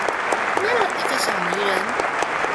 捏了一個小泥人